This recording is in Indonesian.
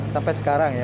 sampai sekarang ya